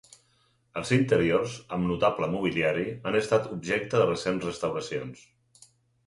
Els interiors, amb notable mobiliari, han estat objecte de recents restauracions.